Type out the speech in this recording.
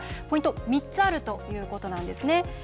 ポイント、３つあるということなんですね。